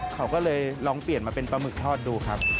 เขาก็เลยลองเปลี่ยนมาเป็นปลาหมึกทอดดูครับ